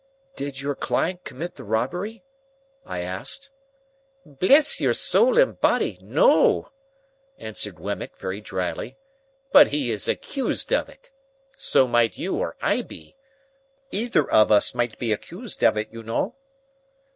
"Did your client commit the robbery?" I asked. "Bless your soul and body, no," answered Wemmick, very drily. "But he is accused of it. So might you or I be. Either of us might be accused of it, you know."